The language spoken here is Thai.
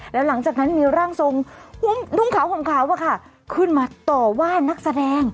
แล้วหลังจากนั้นมีร่างทรงนุ่งขาวห่มขาวขึ้นมาต่อว่านักแสดง